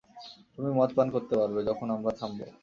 তুমিও মদ পান করতে পারবে, যখন আমরা থামব।